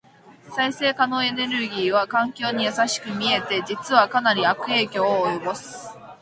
再生可能エネルギーは環境に優しく見えて、実はかなり悪影響を及ぼす。